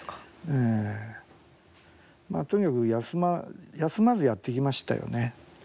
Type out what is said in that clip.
とにかく休まずやってきましたよね。